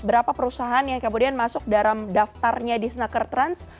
berapa perusahaan yang kemudian masuk dalam daftarnya di snackertrans